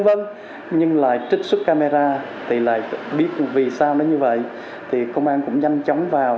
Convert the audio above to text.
v nhưng là trích xuất camera thì lại biết vì sao nó như vậy thì công an cũng nhanh chóng vào